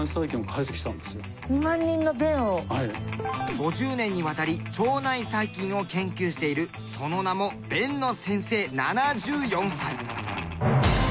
５０年にわたり腸内細菌を研究しているその名も辨野先生７４歳。